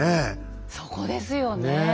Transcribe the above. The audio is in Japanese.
そこですよねえ。